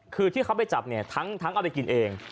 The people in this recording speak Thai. คือที่เขาไปจับเนี่ยทั้งเอาไปกินเอง